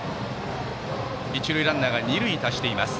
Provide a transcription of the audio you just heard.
一塁ランナーが二塁に達しています。